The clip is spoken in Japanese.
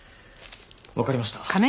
わかりました。